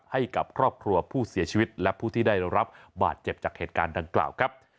ให้กับครอบครัวผู้เสียชีวิตและผู้ที่ได้รับบาดเจ็บจากเหตุการณ์ดังกล่าวครับ